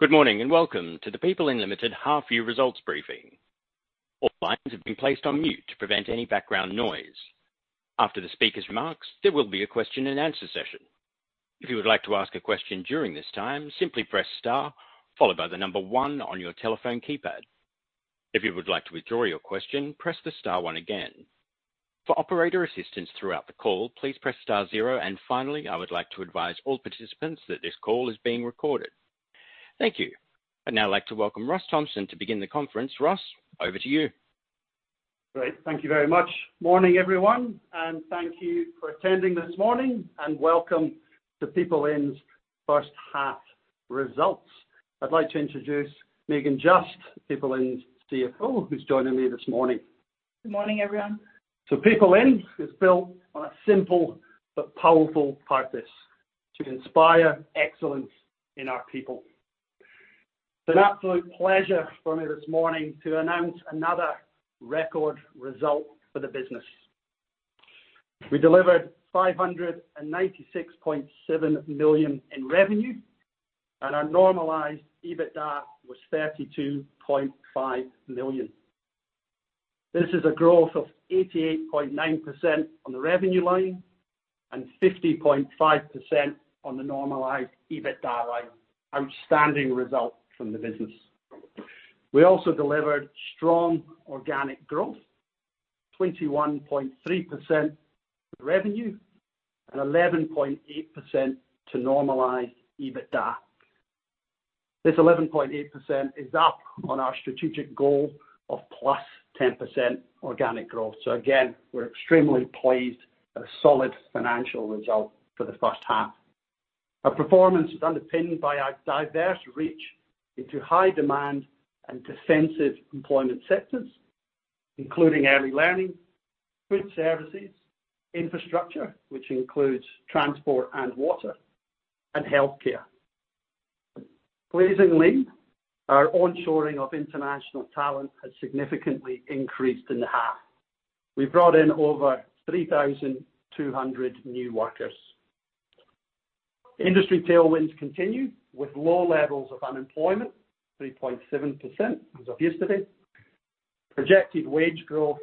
Good morning, and welcome to the PeopleIN Limited half year results briefing. All lines have been placed on mute to prevent any background noise. After the speaker's remarks, there will be a question and answer session. If you would like to ask a question during this time, simply press star followed by one on your telephone keypad. If you would like to withdraw your question, press the star one again. For operator assistance throughout the call, please press star zero. Finally, I would like to advise all participants that this call is being recorded. Thank you. I'd now like to welcome Ross Thompson to begin the conference. Ross, over to you. Great. Thank you very much. Morning, everyone, and thank you for attending this morning, and welcome to PeopleIN's first half results. I'd like to introduce Megan Just, PeopleIN's CFO, who's joining me this morning. Good morning, everyone. PeopleIN is built on a simple but powerful purpose, to inspire excellence in our people. It's an absolute pleasure for me this morning to announce another record result for the business. We delivered 596.7 million in revenue, and our normalized EBITDA was 32.5 million. This is a growth of 88.9% on the revenue line and 50.5% on the normalized EBITDA line. Outstanding result from the business. We also delivered strong organic growth, 21.3% revenue and 11.8% to normalized EBITDA. This 11.8% is up on our strategic goal of +10% organic growth. Again, we're extremely pleased at a solid financial result for the first half. Our performance is underpinned by our diverse reach into high demand and defensive employment sectors, including early learning, food services, infrastructure, which includes transport and water, and healthcare. Pleasingly, our on-shoring of international talent has significantly increased in half. We brought in over 3,200 new workers. Industry tailwinds continue with low levels of unemployment, 3.7% as of yesterday. Projected wage growth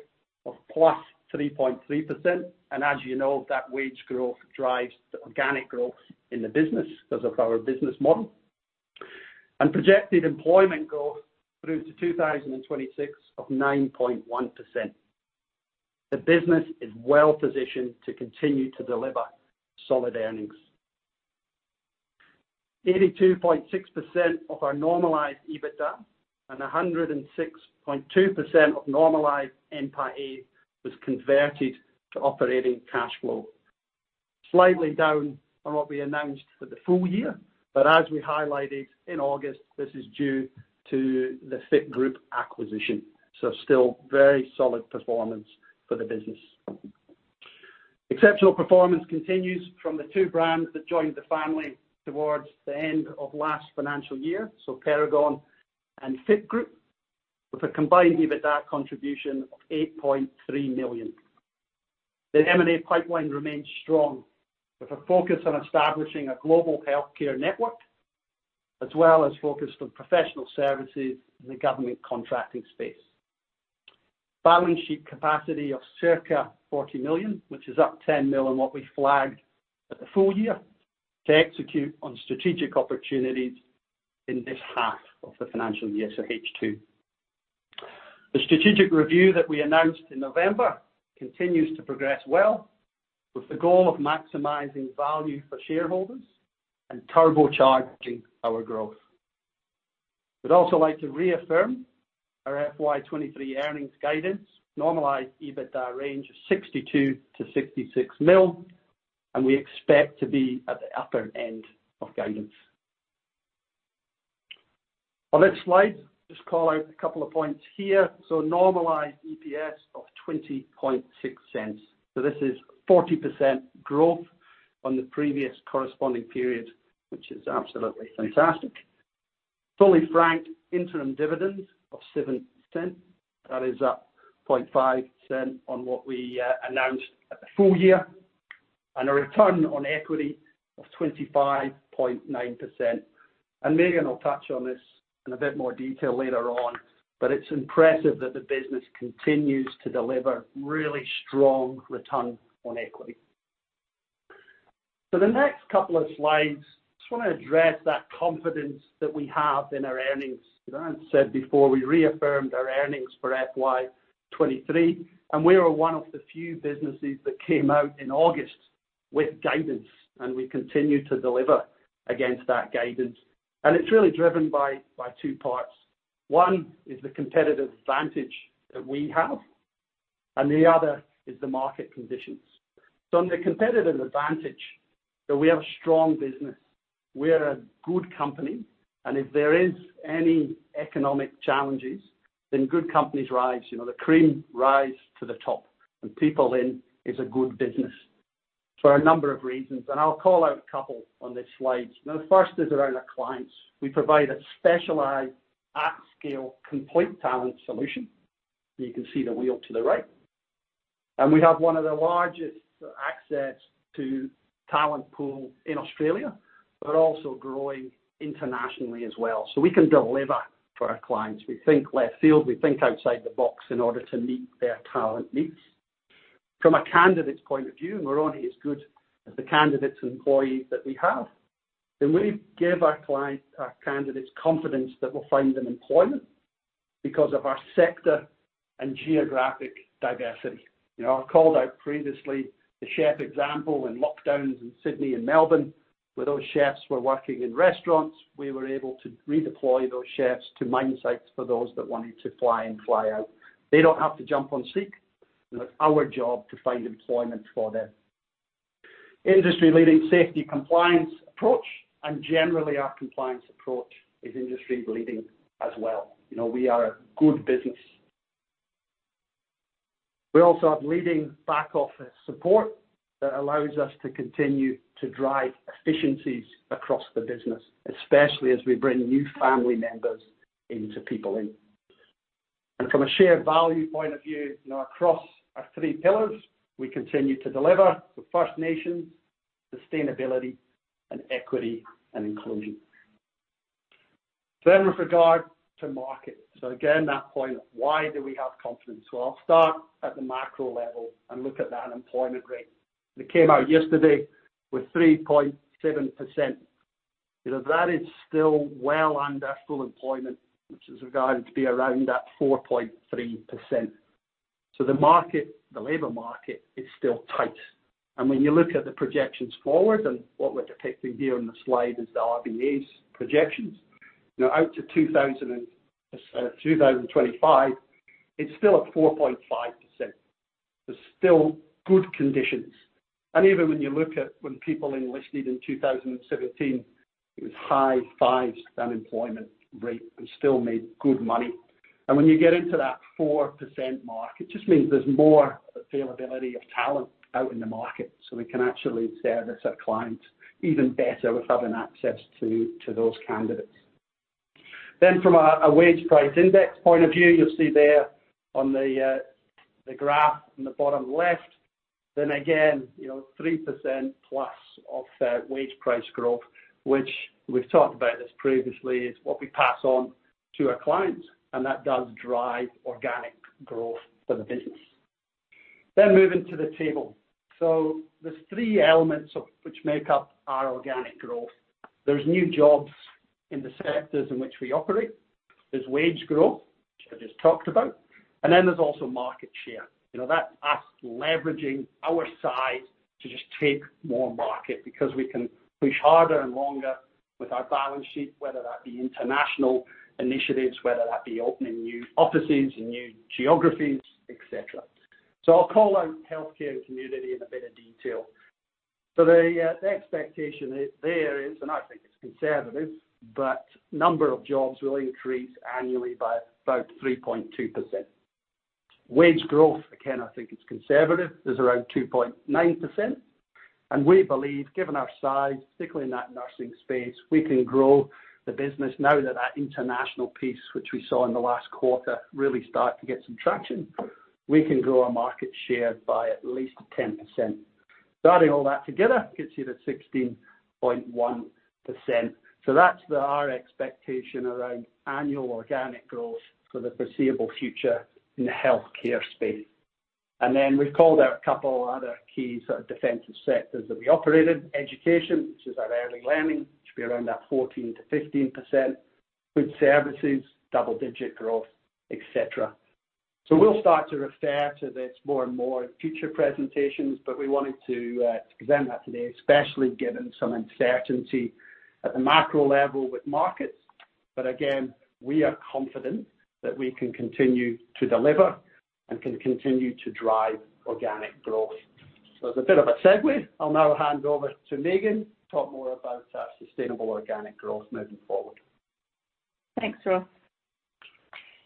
of +3.3%, and as you know, that wage growth drives the organic growth in the business because of our business model. Projected employment growth through to 2026 of 9.1%. The business is well-positioned to continue to deliver solid earnings. 82.6% of our normalized EBITDA and 106.2% of normalized NPAT was converted to operating cash flow. Slightly down on what we announced for the full year, as we highlighted in August, this is due to the F.I.T. Group acquisition. Still very solid performance for the business. Exceptional performance continues from the two brands that joined the family towards the end of last financial year. Paragon and F.I.T. Group, with a combined EBITDA contribution of 8.3 million. The M&A pipeline remains strong, with a focus on establishing a global healthcare network, as well as focus on professional services in the government contracting space. Balance sheet capacity of circa 40 million, which is up 10 mil on what we flagged at the full year to execute on strategic opportunities in this half of the financial year, so H2. The strategic review that we announced in November continues to progress well, with the goal of maximizing value for shareholders and turbocharging our growth. We'd also like to reaffirm our FY 2023 earnings guidance, normalized EBITDA range of 62 million-66 million. We expect to be at the upper end of guidance. On this slide, just call out a couple of points here. Normalized EPS of 0.206. This is 40% growth on the previous corresponding period, which is absolutely fantastic. Fully franked interim dividends of 0.07. That is up 0.005 on what we announced at the full year, a return on equity of 25.9%. Megan will touch on this in a bit more detail later on, but it's impressive that the business continues to deliver really strong return on equity. The next couple of slides, just wanna address that confidence that we have in our earnings. You know, I've said before, we reaffirmed our earnings for FY 2023, we are one of the few businesses that came out in August with guidance, we continue to deliver against that guidance. It's really driven by two parts. One is the competitive advantage that we have, the other is the market conditions. On the competitive advantage, we have a strong business, we are a good company, if there is any economic challenges, then good companies rise. You know, the cream rise to the top. PeopleIN is a good business for a number of reasons, I'll call out a couple on this slide. The first is around our clients. We provide a specialized at scale complete talent solution. You can see the wheel to the right. We have one of the largest access to talent pool in Australia, but also growing internationally as well. We can deliver for our clients. We think left field, we think outside the box in order to meet their talent needs. From a candidate's point of view, we're only as good as the candidates and employees that we have. We give our candidates confidence that we'll find them employment because of our sector and geographic diversity. You know, I've called out previously the chef example in lockdowns in Sydney and Melbourne, where those chefs were working in restaurants, we were able to redeploy those chefs to mine sites for those that wanted to fly and fly out. They don't have to jump on SEEK. You know, it's our job to find employment for them. Industry-leading safety compliance approach, generally our compliance approach is industry-leading as well. You know, we are a good business. We also have leading back-office support that allows us to continue to drive efficiencies across the business, especially as we bring new family members into PeopleIN. From a shared value point of view, you know, across our three pillars, we continue to deliver for First Nations, sustainability, and equity and inclusion. With regard to market. Again, that point of why do we have confidence? Well, I'll start at the macro level and look at the unemployment rate. It came out yesterday with 3.7%. You know, that is still well under full employment, which is regarded to be around that 4.3%. The market, the labor market is still tight. When you look at the projections forward and what we're depicting here on the slide is the RBA's projections. Now, out to 2025, it's still at 4.5%. There's still good conditions. Even when you look at when PeopleIN listed in 2017, it was high fives unemployment rate and still made good money. When you get into that 4% mark, it just means there's more availability of talent out in the market, so we can actually service our clients even better with having access to those candidates. From a Wage Price Index point of view, you'll see there on the graph in the bottom left, again, you know, 3%+ of wage price growth, which we've talked about this previously, is what we pass on to our clients, and that does drive organic growth for the business. Moving to the table. There's three elements which make up our organic growth. There's new jobs in the sectors in which we operate. There's wage growth, which I just talked about. There's also market share. You know, that's us leveraging our size to just take more market because we can push harder and longer with our balance sheet, whether that be international initiatives, whether that be opening new offices in new geographies, et cetera. I'll call out healthcare and community in a bit of detail. The expectation is there is, I think it's conservative, number of jobs will increase annually by about 3.2%. Wage growth, again, I think it's conservative, is around 2.9%. We believe, given our size, particularly in that nursing space, we can grow the business. Now that our international piece, which we saw in the last quarter, really start to get some traction. We can grow our market share by at least 10%. Adding all that together gets you to 16.1%, our expectation around annual organic growth for the foreseeable future in the healthcare space. We've called out a couple other key sort of defensive sectors that we operate in. Education, which is our early learning, which will be around that 14%-15%. Food services, double-digit growth, et cetera. We'll start to refer to this more and more in future presentations, but we wanted to present that today, especially given some uncertainty at the macro level with markets. Again, we are confident that we can continue to deliver and can continue to drive organic growth. As a bit of a segue, I'll now hand over to Megan to talk more about our sustainable organic growth moving forward. Thanks, Ross.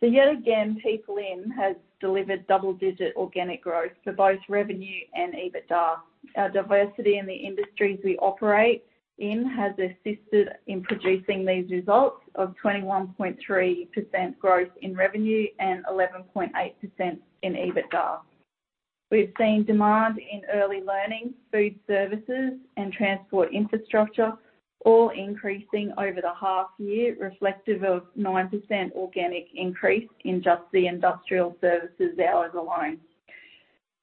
Yet again, PeopleIN has delivered double-digit organic growth for both revenue and EBITDA. Our diversity in the industries we operate in has assisted in producing these results of 21.3% growth in revenue and 11.8% in EBITDA. We've seen demand in early learning, food services, and transport infrastructure all increasing over the half year, reflective of 9% organic increase in just the industrial services hours alone.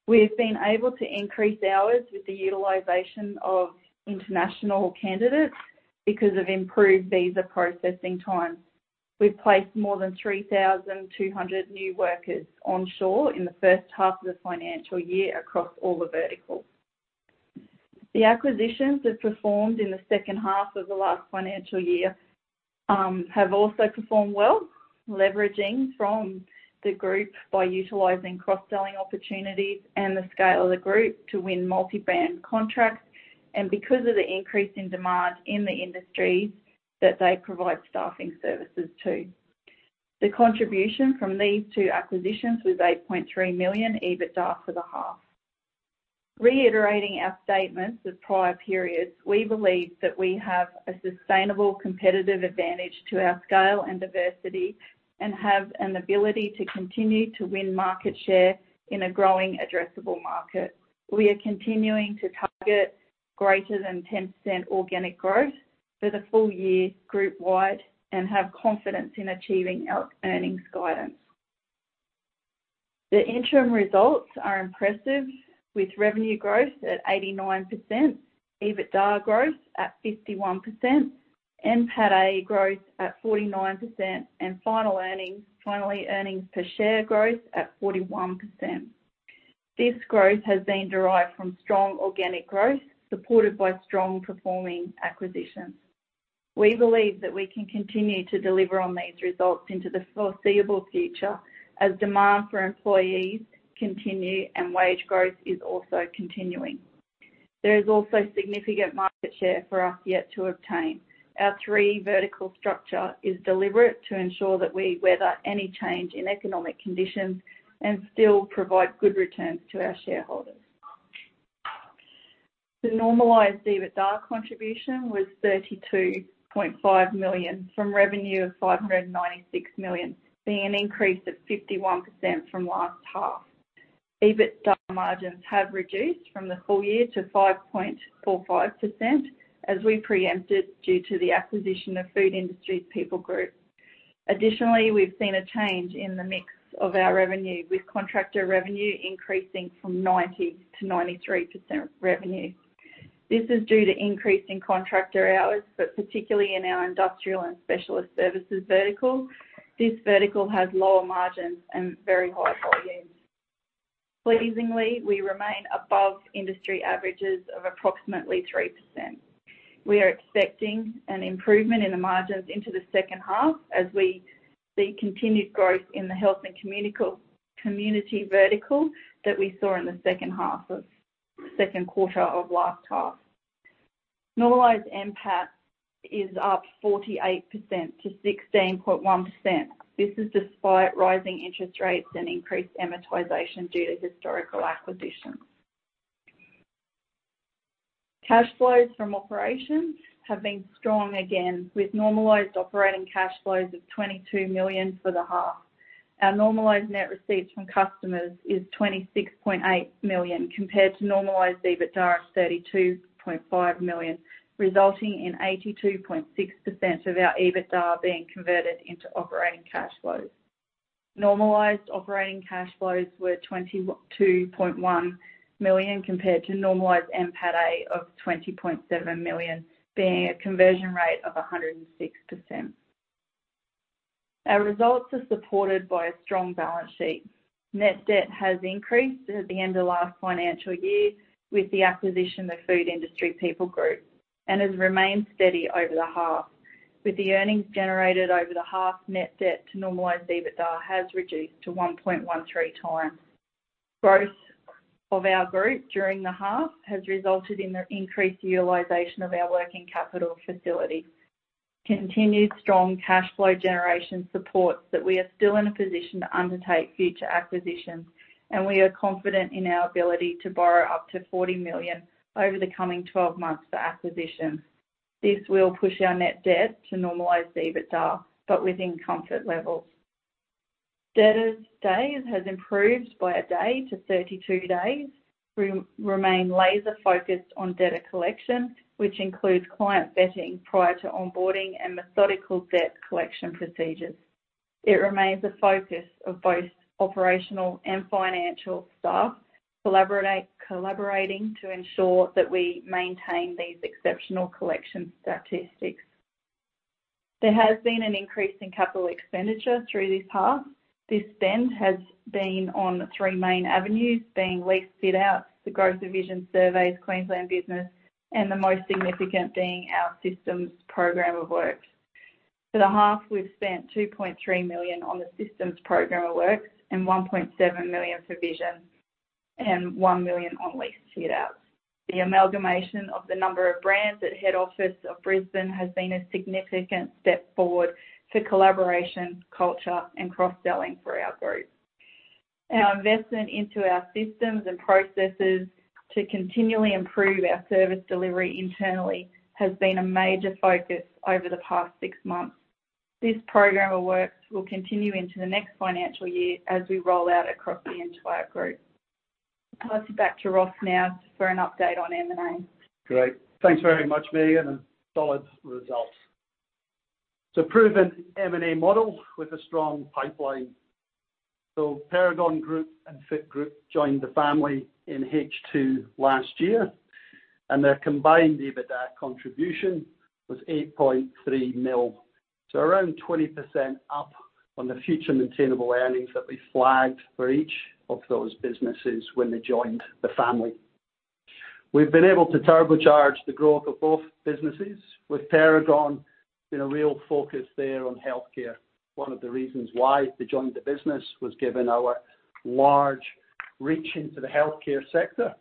We've been able to increase hours with the utilization of international candidates because of improved visa processing times. We've placed more than 3,200 new workers onshore in the first half of the financial year across all the verticals. The acquisitions that performed in the second half of the last financial year have also performed well, leveraging from the group by utilizing cross-selling opportunities and the scale of the group to win multi-brand contracts, because of the increase in demand in the industries that they provide staffing services to. The contribution from these two acquisitions was 8.3 million EBITDA for the half. Reiterating our statements of prior periods, we believe that we have a sustainable competitive advantage to our scale and diversity and have an ability to continue to win market share in a growing addressable market. We are continuing to target greater than 10% organic growth for the full year group wide and have confidence in achieving our earnings guidance. The interim results are impressive, with revenue growth at 89%, EBITDA growth at 51%, NPAT A growth at 49%, finally, earnings per share growth at 41%. This growth has been derived from strong organic growth, supported by strong performing acquisitions. We believe that we can continue to deliver on these results into the foreseeable future as demand for employees continue and wage growth is also continuing. There is also significant market share for us yet to obtain. Our three vertical structure is deliberate to ensure that we weather any change in economic conditions and still provide good returns to our shareholders. The normalized EBITDA contribution was 32.5 million, from revenue of 596 million, being an increase of 51% from last half. EBITDA margins have reduced from the full year to 5.45% as we preempted due to the acquisition of Food Industry People Group. Additionally, we've seen a change in the mix of our revenue, with contractor revenue increasing from 90%-93% revenue. This is due to increase in contractor hours, but particularly in our industrial and specialist services vertical. This vertical has lower margins and very high volumes. Pleasingly, we remain above industry averages of approximately 3%. We are expecting an improvement in the margins into the second half as we see continued growth in the health and community vertical that we saw in the second quarter of last half. Normalized NPAT is up 48%-16.1%. This is despite rising interest rates and increased amortization due to historical acquisitions. Cash flows from operations have been strong again, with normalized operating cash flows of 22 million for the half. Our normalized net receipts from customers is 26.8 million compared to normalized EBITDA of 32.5 million, resulting in 82.6% of our EBITDA being converted into operating cash flows. Normalized operating cash flows were 21.1 million compared to normalized NPAT A of 20.7 million, being a conversion rate of 106%. Our results are supported by a strong balance sheet. Net debt has increased at the end of last financial year with the acquisition of Food Industry People Group and has remained steady over the half. With the earnings generated over the half, net debt to normalized EBITDA has reduced to 1.13x. Growth of our group during the half has resulted in the increased utilization of our working capital facility. Continued strong cash flow generation supports that we are still in a position to undertake future acquisitions, and we are confident in our ability to borrow up to 40 million over the coming 12 months for acquisitions. This will push our net debt to normalized EBITDA but within comfort levels. Debtors days has improved by a day to 32 days. We remain laser-focused on debtor collection, which includes client vetting prior to onboarding and methodical debt collection procedures. It remains a focus of both operational and financial staff collaborating to ensure that we maintain these exceptional collection statistics. There has been an increase in capital expenditure through this half. This spend has been on three main avenues, being lease fit outs, the growth of Vision Surveys Queensland business, and the most significant being our systems program of works. For the half, we've spent 2.3 million on the systems program of works and 1.7 million for Vision and 1 million on lease fit outs. The amalgamation of the number of brands at head office of Brisbane has been a significant step forward for collaboration, culture, and cross-selling for our group. Our investment into our systems and processes to continually improve our service delivery internally has been a major focus over the past six months. This program of works will continue into the next financial year as we roll out across the entire group. I'll pass you back to Ross now for an update on M&A. Great. Thanks very much, Megan, solid results. It's a proven M&A model with a strong pipeline. Paragon Group and F.I.T. Group joined the family in H2 last year, and their combined EBITDA contribution was 8.3 million. Around 20% up on the future maintainable earnings that we flagged for each of those businesses when they joined the family. We've been able to turbocharge the growth of both businesses, with Paragon being a real focus there on healthcare. One of the reasons why they joined the business was given our large reach into the healthcare sector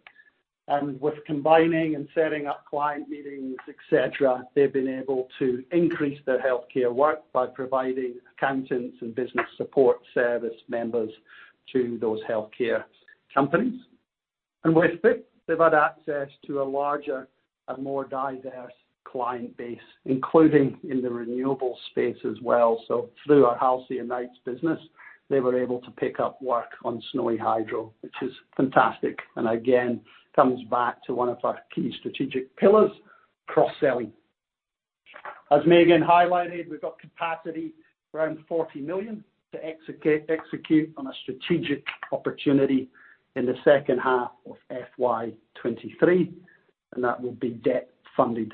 and with combining and setting up client meetings, et cetera, they've been able to increase their healthcare work by providing accountants and business support service members to those healthcare companies. With Fitz, they've had access to a larger and more diverse client base, including in the renewable space as well. Through our Halcyon Knights business, they were able to pick up work on Snowy Hydro, which is fantastic, and again, comes back to one of our key strategic pillars, cross-selling. As Megan highlighted, we've got capacity around 40 million to execute on a strategic opportunity in the second half of FY 2023, and that will be debt funded.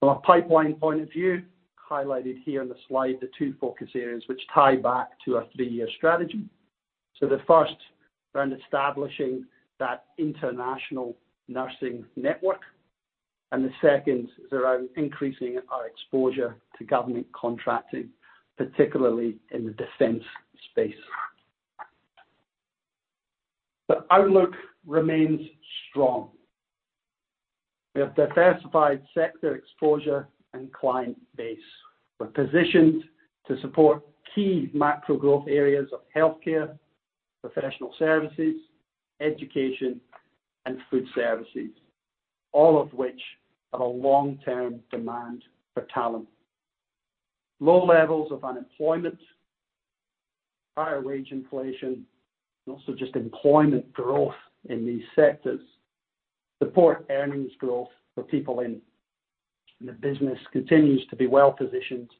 From a pipeline point of view, highlighted here on the slide, the two focus areas which tie back to our three-year strategy. The first around establishing that international nursing network, and the second is around increasing our exposure to government contracting, particularly in the defense space. The outlook remains strong. We have diversified sector exposure and client base. We're positioned to support key macro growth areas of healthcare, professional services, education, and food services, all of which have a long-term demand for talent. Low levels of unemployment, higher wage inflation, and also just employment growth in these sectors support earnings growth for PeopleIN. The business continues to be well positioned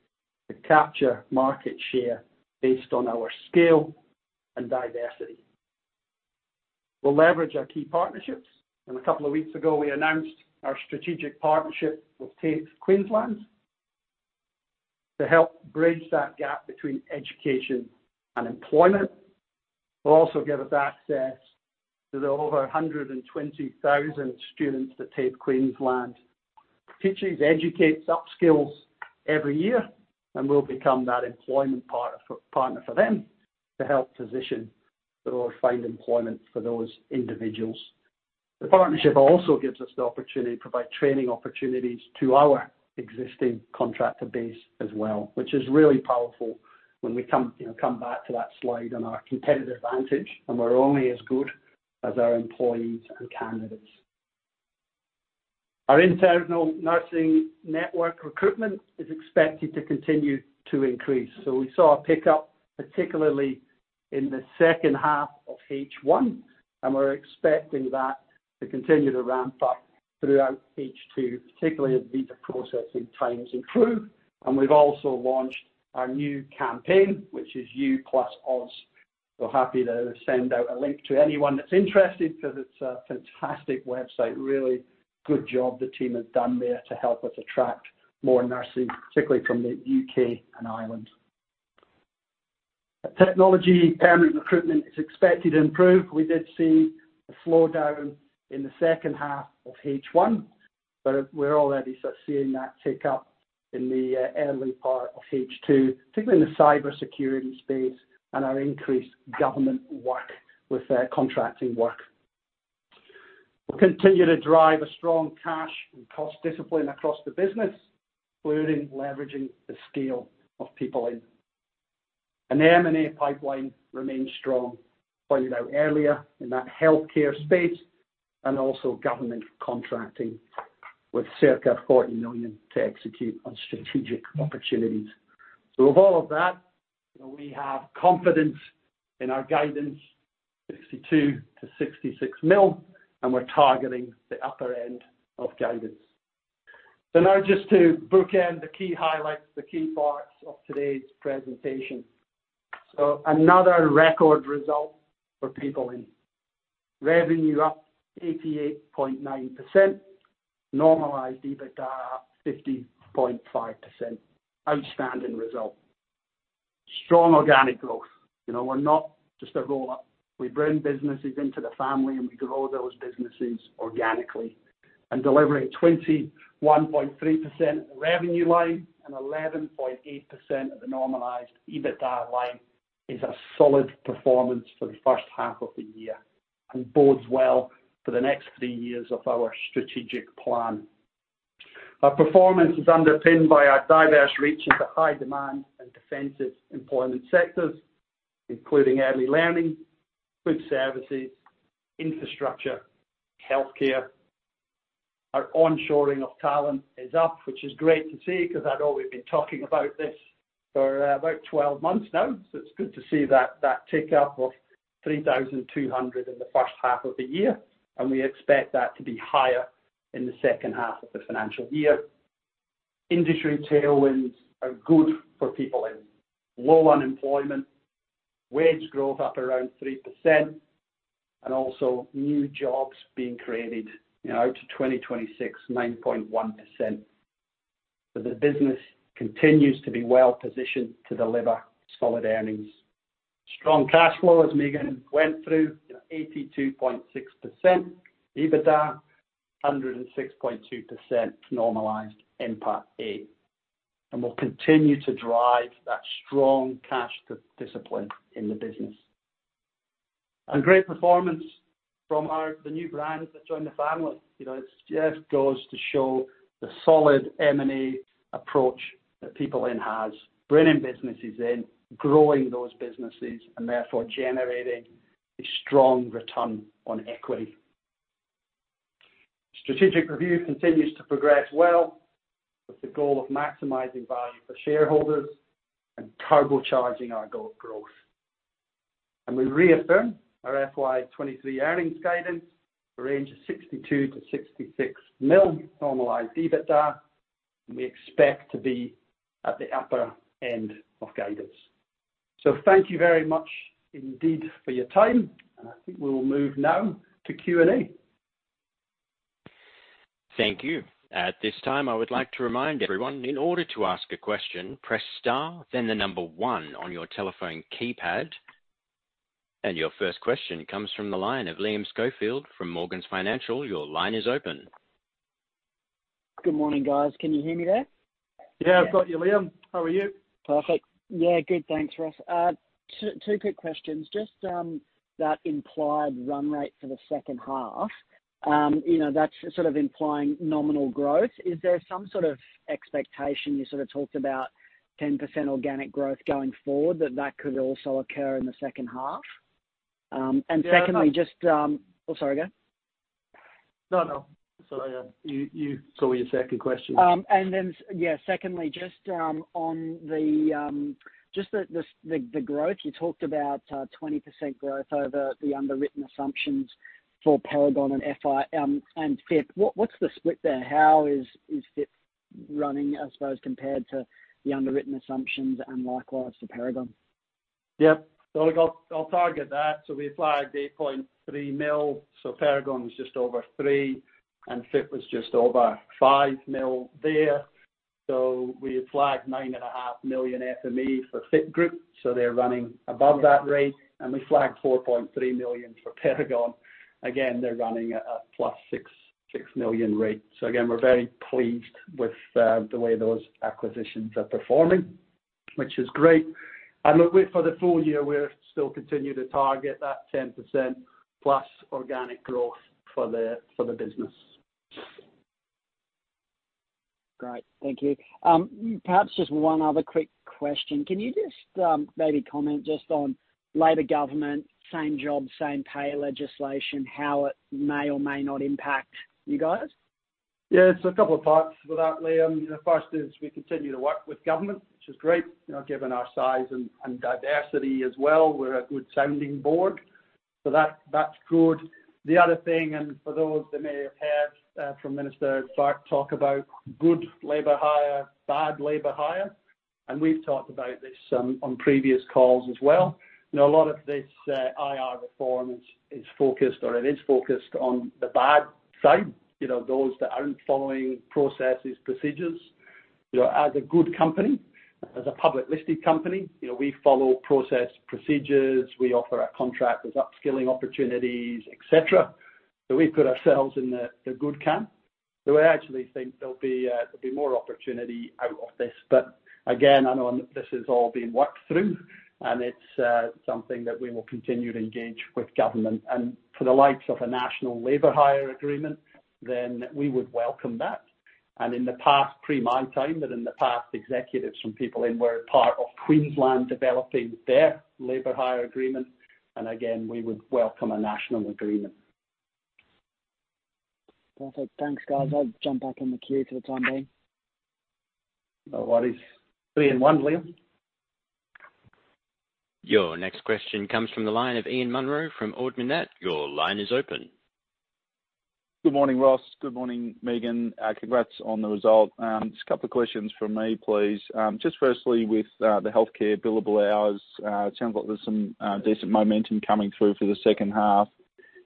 to capture market share based on our scale and diversity. We'll leverage our key partnerships. A couple of weeks ago, we announced our strategic partnership with TAFE Queensland to help bridge that gap between education and employment. Will also give us access to the over 120,000 students that TAFE Queensland teaches, educates, upskills every year, and we'll become that employment part- partner for them to help position or find employment for those individuals. The partnership also gives us the opportunity to provide training opportunities to our existing contractor base as well, which is really powerful when we come, you know, come back to that slide on our competitive advantage, and we're only as good as our employees and candidates. Our internal nursing network recruitment is expected to continue to increase. We saw a pickup, particularly in the second half of H1, and we're expecting that to continue to ramp up throughout H2, particularly as visa processing times improve. We've also launched our new campaign, which is You Plus Us. We're happy to send out a link to anyone that's interested because it's a fantastic website. Really good job the team has done there to help us attract more nurses, particularly from the UK and Ireland. Technology permanent recruitment is expected to improve. We did see a slowdown in the second half of H1, but we're already sort of seeing that tick up in the early part of H2, particularly in the cybersecurity space and our increased government work with contracting work. We'll continue to drive a strong cash and cost discipline across the business, including leveraging the scale of PeopleIN. The M&A pipeline remains strong, pointed out earlier in that healthcare space and also government contracting with circa 40 million to execute on strategic opportunities. With all of that, you know, we have confidence in our guidance, 62 million-66 million, and we're targeting the upper end of guidance. Now just to bookend the key highlights, the key parts of today's presentation. Another record result for PeopleIN. Revenue up 88.9%. Normalized EBITDA up 50.5%. Outstanding result. Strong organic growth. You know, we're not just a roller. We bring businesses into the family, and we grow those businesses organically. Delivering 21.3% revenue line and 11.8% of the normalized EBITDA line is a solid performance for the first half of the year and bodes well for the next three years of our strategic plan. Our performance is underpinned by our diverse reach into high demand and defensive employment sectors, including early learning, food services, infrastructure, healthcare. Our onshoring of talent is up, which is great to see because I know we've been talking about this for about 12 months now. It's good to see that tick up of 3,200 in the first half of the year, and we expect that to be higher in the second half of the financial year. Industry tailwinds are good for PeopleIN. Low unemployment, wage growth up around 3%, and also new jobs being created, you know, out to 2026, 9.1%. The business continues to be well positioned to deliver solid earnings. Strong cash flow, as Megan Just went through, you know, 82.6% EBITDA, 106.2% normalized NPAT A. We'll continue to drive that strong cash discipline in the business. A great performance from the new brands that joined the family. You know, it just goes to show the solid M&A approach that PeopleIN has, bringing businesses in, growing those businesses, and therefore generating a strong return on equity. Strategic review continues to progress well, with the goal of maximizing value for shareholders and turbocharging our goal of growth. We reaffirm our FY 2023 earnings guidance, a range of 62 million-66 million normalized EBITDA, and we expect to be at the upper end of guidance. Thank you very much indeed for your time, and I think we will move now to Q&A. Thank you. At this time, I would like to remind everyone, in order to ask a question, press star then 1 on your telephone keypad. Your first question comes from the line of Liam Schofield from Morgans Financial. Your line is open. Good morning, guys. Can you hear me there? Yeah, I've got you, Liam. How are you? Perfect. Yeah, good. Thanks, Ross. Two quick questions. Just, that implied run rate for the second half, you know, that's sort of implying nominal growth. Is there some sort of expectation, you sort of talked about 10% organic growth going forward, that that could also occur in the second half? Secondly. Yeah. Oh, sorry, go ahead. No, no. Sorry, you... What was your second question? Yeah. Secondly, just on the growth, you talked about 20% growth over the underwritten assumptions for Paragon and FI, and F.I.T. Group. What's the split there? How is F.I.T. Group running, I suppose, compared to the underwritten assumptions and likewise for Paragon? Yep. Look, I'll target that. We flagged 8.3 million, Paragon was just over 3 million, and F.I.T. was just over 5 milionl there. We had flagged 9.5 million FME for F.I.T. Group, they're running above that rate. We flagged 4.3 million for Paragon. Again, they're running at a +6 million rate. Again, we're very pleased with the way those acquisitions are performing, which is great. Look, wait for the full year, we're still continuing to target that 10%+ organic growth for the business. Great. Thank you. Perhaps just one other quick question. Can you just maybe comment just on Labor government, Same Job, Same Pay legislation, how it may or may not impact you guys? Yeah. It's a couple of parts for that, Liam. The first is we continue to work with government, which is great. You know, given our size and diversity as well, we're a good sounding board. So that's good. The other thing, and for those that may have heard from Minister Burke talk about good labor hire, bad labor hire, and we've talked about this on previous calls as well. You know, a lot of this IR reform is focused, or it is focused on the bad side, you know, those that aren't following processes, procedures. You know, as a good company, as a public listed company, you know, we follow process, procedures, we offer our contractors upskilling opportunities, etc. So we've put ourselves in the good camp. So I actually think there'll be more opportunity out of this. Again, I know this is all being worked through, and it's something that we will continue to engage with government. For the likes of a national labor hire agreement, then we would welcome that. In the past, pre my time, but in the past, executives from PeopleIN were part of Queensland developing their labor hire agreement. Again, we would welcome a national agreement. Perfect. Thanks, guys. I'll jump back in the queue for the time being. No worries. Three in one, Liam. Your next question comes from the line of Ian Munro from Ord Minnett. Your line is open. Good morning, Ross. Good morning, Megan. Congrats on the result. Just a couple of questions from me, please. Just firstly, with the healthcare billable hours, it sounds like there's some decent momentum coming through for the second half.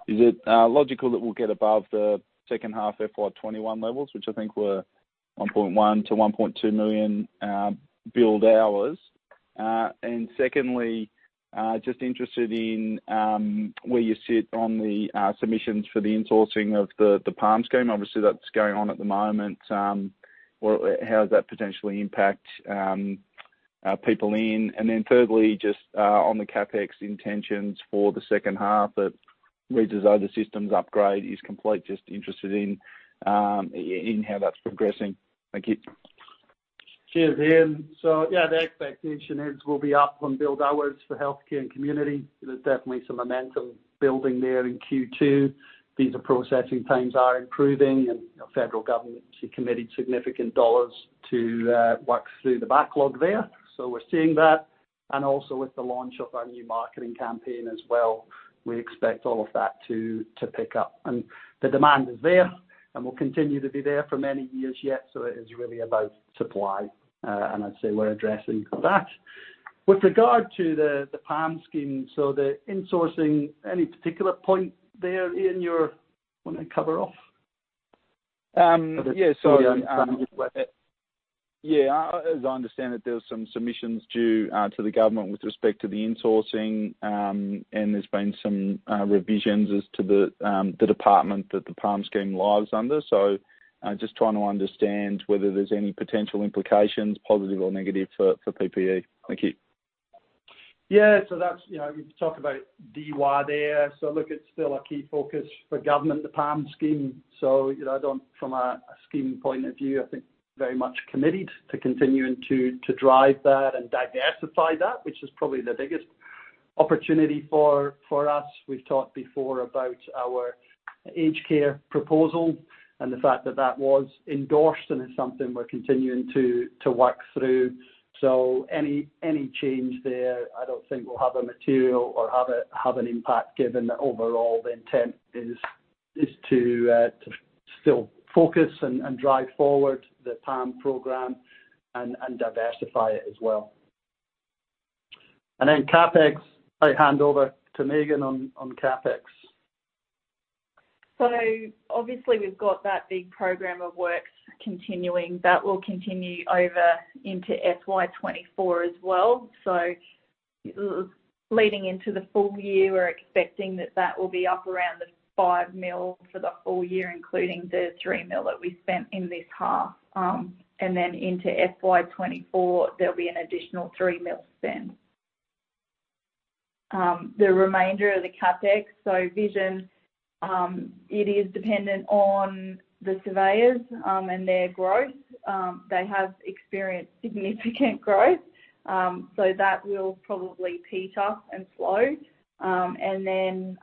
Is it logical that we'll get above the second half FY 2021 levels, which I think were 1.1 million-1.2 million billed hours? Secondly, just interested in where you sit on the submissions for the insourcing of the PALM Scheme. Obviously, that's going on at the moment. Well, how does that potentially impact PeopleIN? Then thirdly, just on the CapEx intentions for the second half that redesign the systems upgrade is complete. Just interested in how that's progressing. Thank you. Cheers, Ian. Yeah, the expectation is we'll be up on billed hours for health care and community. There's definitely some momentum building there in Q2. Visa processing times are improving and, you know, federal government's committed significant dollars to work through the backlog there. We're seeing that. Also with the launch of our new marketing campaign as well, we expect all of that to pick up. The demand is there and will continue to be there for many years yet. It is really about supply, and I'd say we're addressing that. With regard to the PALM scheme, so the insourcing, any particular point there, Ian, you wanna cover off? Yeah. Sorry. Yeah. As I understand it, there was some submissions due to the government with respect to the insourcing, and there's been some revisions as to the department that the PALM scheme lives under. Just trying to understand whether there's any potential implications, positive or negative, for PPE. Thank you. That's, you know, you talk about DY there. Look, it's still a key focus for government, the PALM Scheme. You know, I don't. From a scheme point of view, I think very much committed to continuing to drive that and diversify that, which is probably the biggest opportunity for us. We've talked before about our aged care proposal and the fact that that was endorsed, and it's something we're continuing to work through. Any change there, I don't think will have a material or have an impact given that overall the intent is to still focus and drive forward the PALM program and diversify it as well. CapEx, I hand over to Megan on CapEx. obviously we've got that big program of works continuing. That will continue over into FY 2024 as well. leading into the full year, we're expecting that that will be up around 5 million for the full year, including the 3 million that we spent in this half. Then into FY 2024, there'll be an additional 3 million spend. The remainder of the CapEx, so Vision, it is dependent on the surveyors and their growth. They have experienced significant growth, that will probably peak up and slow. Then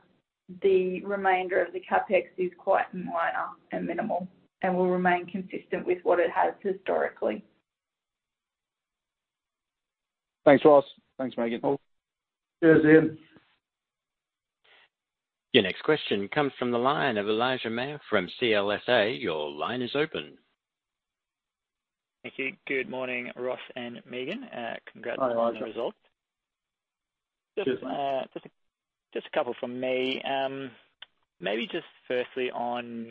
the remainder of the CapEx is quite minor and minimal and will remain consistent with what it has historically. Thanks, Ross. Thanks, Megan. Cool. Cheers, Ian. Your next question comes from the line of Elijah Mayr from CLSA. Your line is open. Thank you. Good morning, Ross and Megan. Hi, Elijah. on the results. Cheers. Just a couple from me. Maybe just firstly on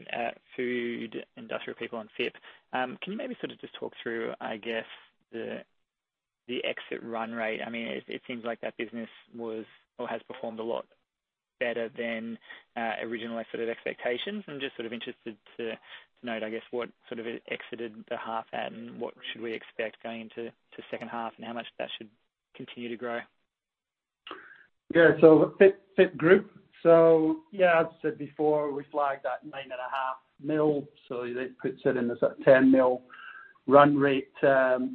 Food Industry People on FIP Group. Can you maybe sort of just talk through, I guess, the exit run rate? I mean, it seems like that business was or has performed a lot better than original sort of expectations. I'm just sort of interested to note, I guess, what sort of it exited the half and what should we expect going into second half and how much that should continue to grow. Yeah. FIP Group. Yeah, as I said before, we flagged that 9.5 million, it puts it in the 10 million run rate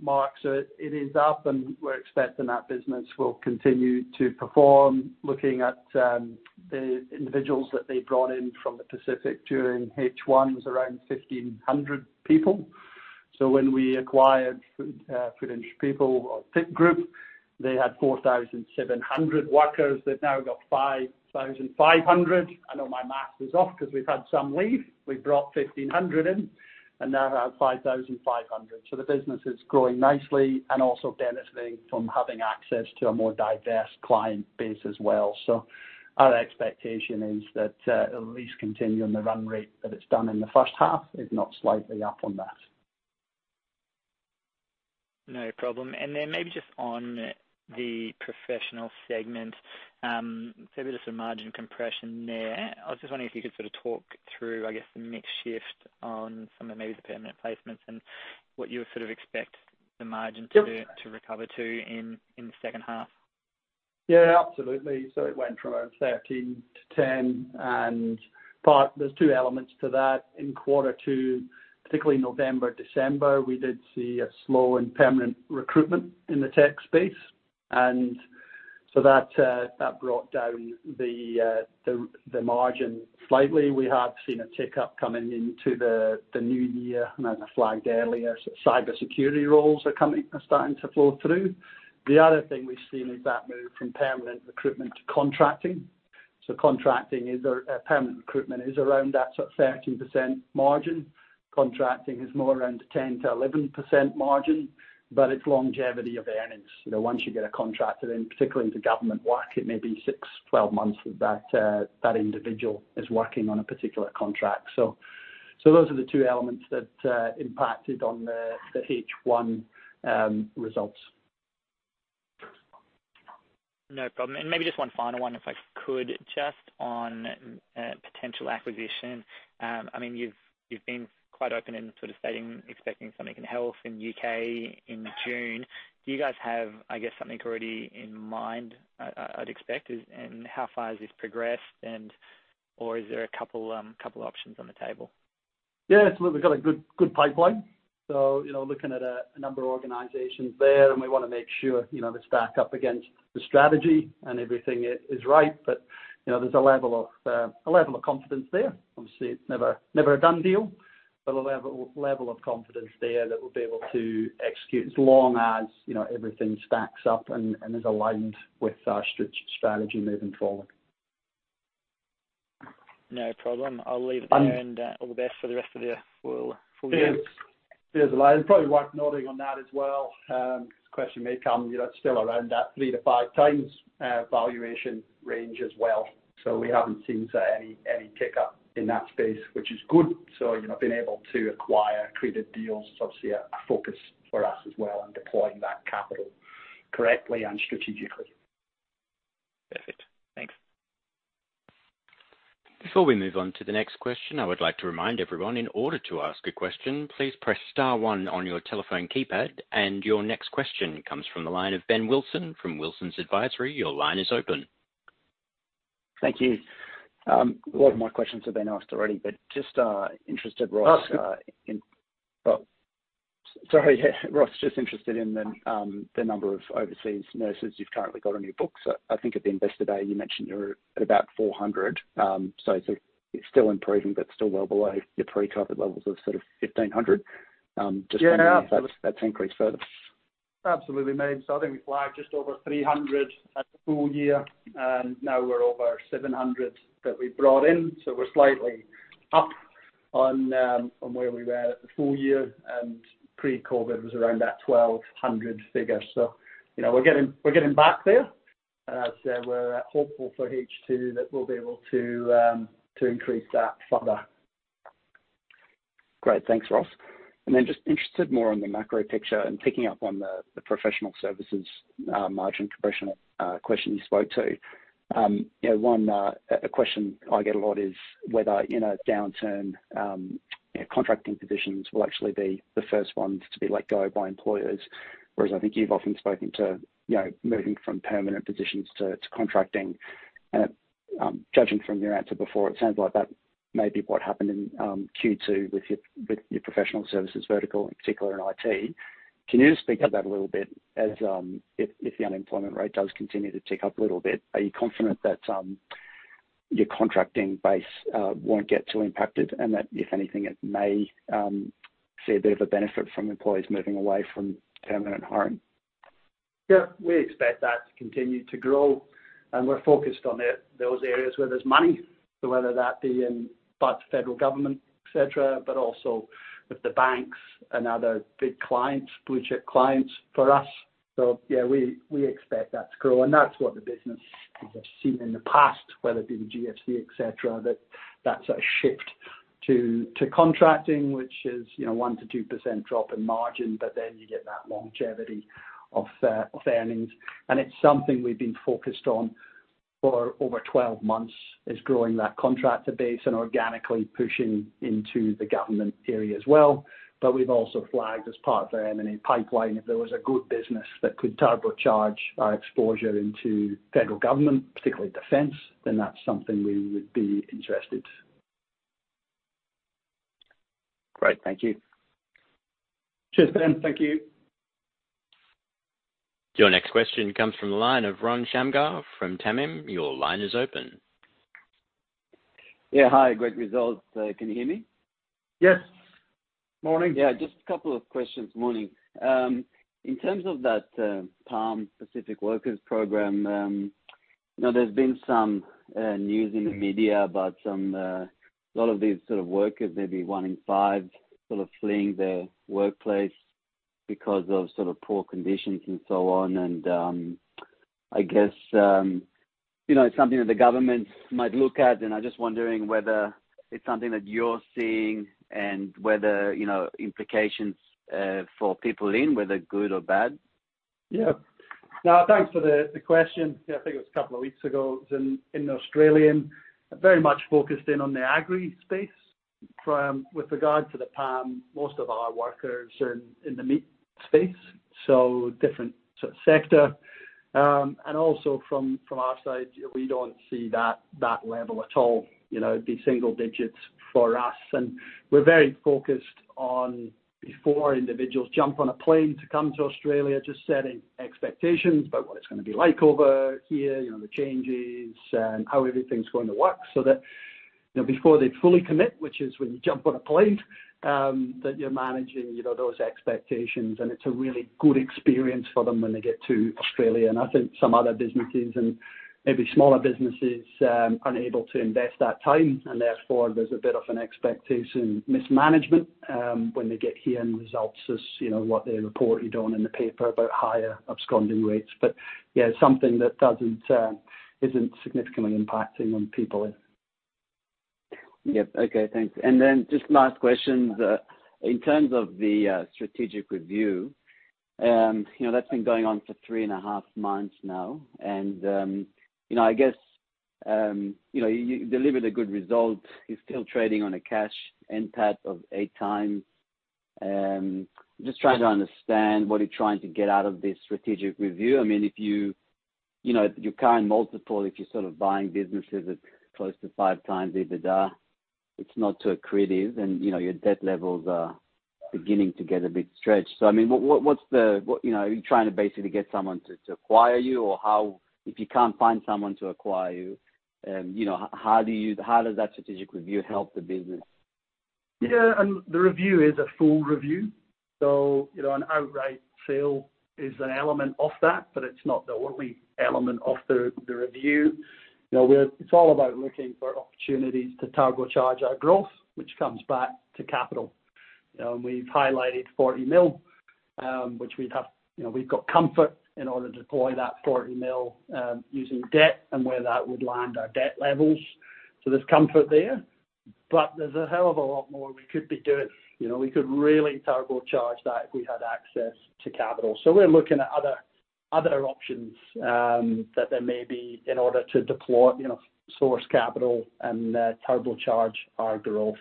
mark. It is up, and we're expecting that business will continue to perform. Looking at the individuals that they brought in from the Pacific during H1 was around 1,500 people. When we acquired Food Industry People or FIP Group, they had 4,700 workers. They've now got 5,500 workers. I know my math is off 'cause we've had some leave. We brought 1,500 workers in and now have 5,500 workers. The business is growing nicely and also benefiting from having access to a more diverse client base as well. Our expectation is that, at least continuing the run rate that it's done in the first half, if not slightly up on that. No problem. Maybe just on the professional segment, so a bit of some margin compression there. I was just wondering if you could sort of talk through, I guess, the mix shift on some of maybe the permanent placements and what you would sort of expect the margin to recover to in the second half. Yeah, absolutely. It went from 13%-10%, there's two elements to that. In Q2, particularly November, December, we did see a slow and permanent recruitment in the tech space. That brought down the margin slightly. We have seen a tick up coming into the new year, and I flagged earlier, cybersecurity roles are starting to flow through. The other thing we've seen is that move from permanent recruitment to contracting. Contracting is a permanent recruitment is around that sort of 13% margin. Contracting is more around 10%-11% margin, but it's longevity of earnings. You know, once you get a contractor in, particularly into government work, it may be six months, 12 months that individual is working on a particular contract. Those are the two elements that impacted on the H1 results. No problem. Maybe just 1 final one, if I could. Just on potential acquisition, I mean, you've been quite open in sort of stating, expecting something in health in UK in June. Do you guys have, I guess, something already in mind, I'd expect is? How far has this progressed and? Or is there a couple options on the table? Absolutely. We've got a good pipeline. You know, looking at a number of organizations there, and we wanna make sure, you know, they stack up against the strategy and everything is right. You know, there's a level of confidence there. Obviously, it's never a done deal, but a level of confidence there that we'll be able to execute as long as, you know, everything stacks up and is aligned with our strategy moving forward. No problem. I'll leave it there. And- All the best for the rest of the full year. Cheers. Cheers, Elijah. Probably worth noting on that as well, 'cause the question may come, you know, it's still around that 3x-5x valuation range as well. We haven't seen any tick up in that space, which is good. You know, being able to acquire creative deals is obviously a focus for us as well and deploying that capital correctly and strategically. Perfect. Thanks. Before we move on to the next question, I would like to remind everyone in order to ask a question, please press star one on your telephone keypad. Your next question comes from the line of Ben Wilson from Wilsons Advisory. Your line is open. Thank you. A lot of my questions have been asked already, but just interested Ross, in... Oh. Sorry. Ross, just interested in the number of overseas nurses you've currently got on your books. I think at the Investor Day, you mentioned you were at about 400 overseas nurses, so it's still improving but still well below your pre-COVID levels of sort of 1,500 overseas nurses. Just wondering- Yeah. if that's increased further. Absolutely, mate. I think we flagged just over 300 overseas nurses at the full year. Now we're over 700 overseas nurses that we brought in. We're slightly up on where we were at the full year. Pre-COVID was around that 1,200 overseas nurses figure. You know, we're getting back there. As I said, we're hopeful for H2 that we'll be able to increase that further. Great. Thanks, Ross. Then just interested more on the macro picture and picking up on the professional services, margin compression, question you spoke to. You know, one, a question I get a lot is whether in a downturn, you know, contracting positions will actually be the first ones to be let go by employers, whereas I think you've often spoken to, you know, moving from permanent positions to contracting. Judging from your answer before, it sounds like that may be what happened in Q2 with your professional services vertical, in particular in IT. Can you just speak on that a little bit as, if the unemployment rate does continue to tick up a little bit, are you confident that your contracting base won't get too impacted and that if anything, it may see a bit of a benefit from employees moving away from permanent hiring? We expect that to continue to grow, and we're focused on those areas where there's money. Whether that be in parts of federal government, et cetera, but also with the banks and other big clients, blue-chip clients for us. We expect that to grow. That's what the business has seen in the past, whether it be the GFC, et cetera, that's a shift to contracting, which is, you know, 1%-2% drop in margin, but then you get that longevity of earnings. It's something we've been focused on for over 12 months, is growing that contractor base and organically pushing into the government area as well. We've also flagged as part of the M&A pipeline, if there was a good business that could turbocharge our exposure into federal government, particularly defense, then that's something we would be interested. Great. Thank you. Cheers, Ben. Thank you. Your next question comes from the line of Ron Shamgar from Tamim. Your line is open. Yeah. Hi. Great results. Can you hear me? Yes. Morning. Yeah, just a couple of questions. Morning. In terms of that, PALM Pacific Workers program, you know, there's been some news in the media about some a lot of these sort of workers, maybe 1 in 5, sort of fleeing the workplace because of sort of poor conditions and so on. I guess, you know, it's something that the government might look at, and I'm just wondering whether it's something that you're seeing and whether, you know, implications for PeopleIN, whether good or bad? No, thanks for the question. I think it was a couple of weeks ago. It was in Australian, very much focused in on the agri space. With regard to the PALM, most of our workers are in the meat space, so different sort of sector. Also from our side, we don't see that level at all, you know, it'd be single digits for us. We're very focused on before individuals jump on a plane to come to Australia, just setting expectations about what it's gonna be like over here, you know, the changes and how everything's going to work so that, you know, before they fully commit, which is when you jump on a plane, that you're managing, you know, those expectations. It's a really good experience for them when they get to Australia. I think some other businesses and maybe smaller businesses aren't able to invest that time, and therefore there's a bit of an expectation mismanagement when they get here and results as, you know, what they reported on in the paper about higher absconding rates. Yeah, it's something that doesn't isn't significantly impacting on PeopleIN. Yep. Okay, thanks. Just last question, in terms of the strategic review, you know, that's been going on for three and a half months now and, you know, I guess, you know, you delivered a good result. You're still trading on a cash NPAT of 8x. Just trying to understand what you're trying to get out of this strategic review. I mean, you know, your current multiple, if you're sort of buying businesses at close to 5x EBITDA, it's not too accretive and, you know, your debt levels are beginning to get a bit stretched. I mean, what, are you trying to basically get someone to acquire you? If you can't find someone to acquire you know, how does that strategic review help the business? Yeah. The review is a full review, so you know, an outright sale is an element of that, but it's not the only element of the review. You know, it's all about looking for opportunities to turbocharge our growth, which comes back to capital. You know, we've highlighted 40 million, which we've got comfort in order to deploy that 40 million, using debt and where that would land our debt levels. There's comfort there. There's a hell of a lot more we could be doing. You know, we could really turbocharge that if we had access to capital. We're looking at other options that there may be in order to deploy, you know, source capital and turbocharge our growth.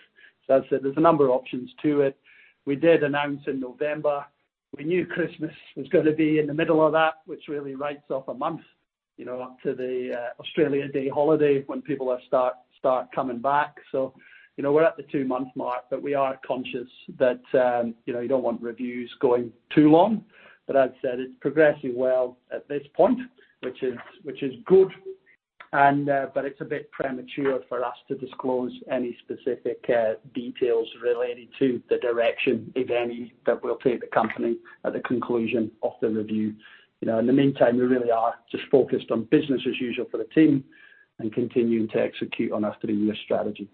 As I said, there's a number of options to it. We did announce in November, we knew Christmas was gonna be in the middle of that, which really writes off a month, you know, up to the Australia Day holiday when people will start coming back. You know, we're at the 2-month mark, but we are conscious that, you know, you don't want reviews going too long. As I said, it's progressing well at this point, which is good. It's a bit premature for us to disclose any specific details related to the direction, if any, that we'll take the company at the conclusion of the review. You know, in the meantime, we really are just focused on business as usual for the team and continuing to execute on our 3-year strategy.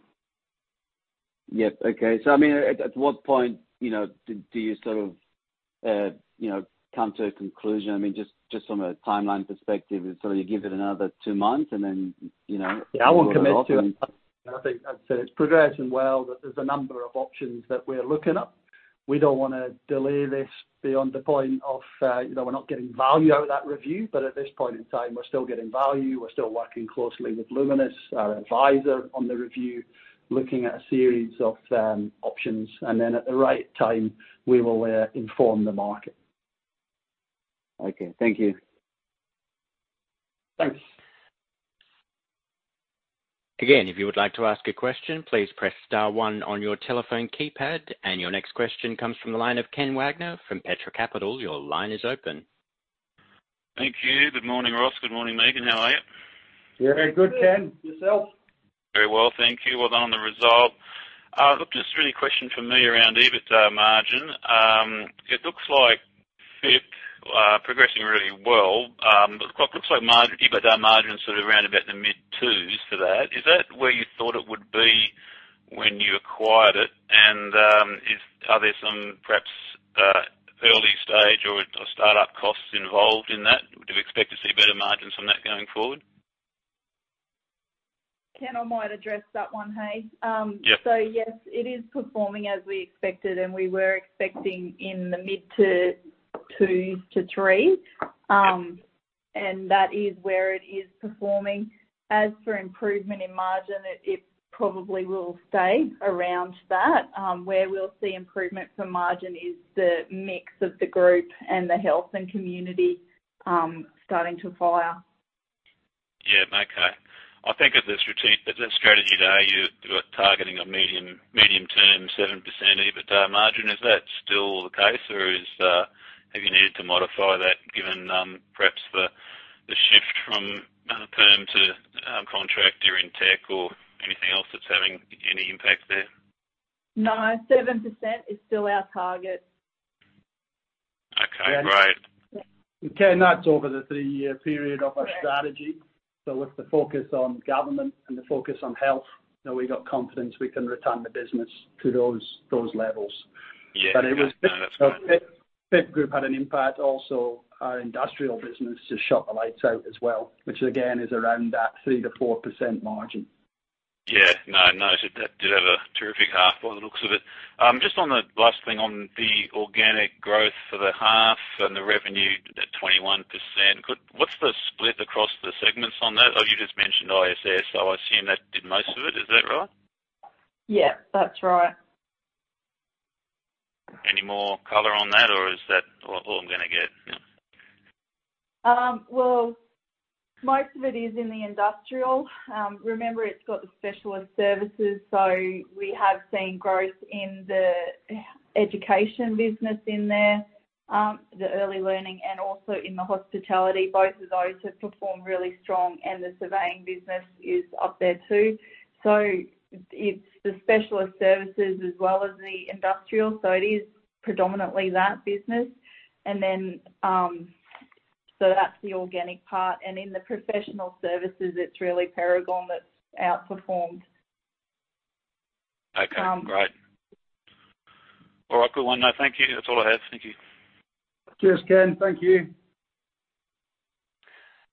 Yep. Okay. I mean, at what point, you know, do you sort of, you know, come to a conclusion? I mean, just from a timeline perspective, and sort of you give it another two months and then, you know- Yeah, I won't commit to it. I think as I said, it's progressing well, but there's a number of options that we're looking at. We don't wanna delay this beyond the point of, you know, we're not getting value out of that review. At this point in time, we're still getting value, we're still working closely with Luminis, our advisor on the review, looking at a series of options. At the right time, we will inform the market. Okay. Thank you. Thanks. Again, if you would like to ask a question, please press star one on your telephone keypad. Your next question comes from the line of Ken Wagner from Petra Capital. Your line is open. Thank you. Good morning, Ross. Good morning, Megan. How are you? Very good, Ken. Yourself? Very well, thank you. Well done on the result. Look, just really a question from me around EBITDA margin. It looks like FIP progressing really well. But it looks like margin, EBITDA margin sort of around about the mid-twos for that. Is that where you thought it would be when you acquired it? Are there some perhaps early stage or startup costs involved in that? Do you expect to see better margins from that going forward? Ken, I might address that one, hey. Yep. Yes, it is performing as we expected. We were expecting in the mid to 2%-3%. That is where it is performing. As for improvement in margin, it probably will stay around that. Where we'll see improvement from margin is the mix of the group and the health and community starting to fire. Yeah. Okay. I think of this strategy today, you are targeting a medium-term 7% EBITDA margin. Is that still the case, or have you needed to modify that given perhaps the shift from perm to contract during tech or anything else that's having any impact there? No. 7% is still our target. Okay. Great. Ken, that's over the three-year period of our strategy. With the focus on government and the focus on health, you know, we got confidence we can return the business to those levels. Yeah. No, that's fine. FIP Group had an impact also. Our industrial business just shut the lights out as well, which again, is around that 3%-4% margin. Yeah. No, no, that did have a terrific half by the looks of it. Just on the last thing on the organic growth for the half and the revenue at 21%. What's the split across the segments on that? Oh, you just mentioned ISS, so I assume that did most of it. Is that right? Yeah, that's right. Any more color on that, or is that all I'm gonna get? Well, most of it is in the industrial. Remember, it's got the specialist services, so we have seen growth in the education business in there, the early learning, and also in the hospitality. Both of those have performed really strong, and the surveying business is up there too. It's the specialist services as well as the industrial, so it is predominantly that business. That's the organic part. In the professional services, it's really Paragon that's outperformed. Okay. Great. All right. Good one. No, thank you. That's all I have. Thank you. Cheers, Ken. Thank you.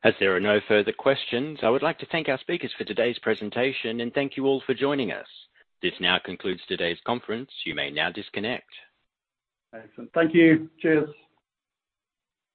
As there are no further questions, I would like to thank our speakers for today's presentation and thank you all for joining us. This now concludes today's conference. You may now disconnect. Excellent. Thank you. Cheers.